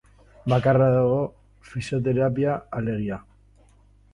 Bakarra dago, fisioterapia, alegia.